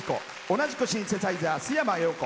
同じくシンセサイザー、須山陽子。